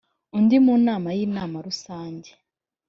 undi mu nama y inama rusange